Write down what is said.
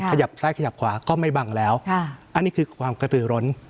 ขยับซ้ายขยับขวาก็ไม่บังแล้วอันนี้คือความกระตือร้น